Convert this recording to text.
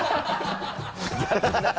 ハハハ